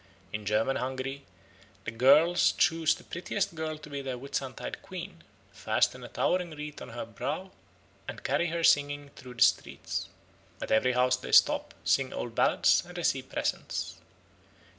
In German Hungary the girls choose the prettiest girl to be their Whitsuntide Queen, fasten a towering wreath on her brow, and carry her singing through the streets. At every house they stop, sing old ballads, and receive presents.